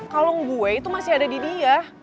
kalung gue itu masih ada di dia